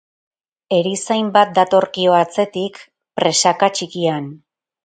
Erizain bat datorkio atzetik, presaka txikian.